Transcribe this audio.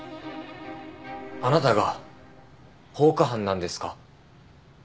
あなたが放火犯なんですか？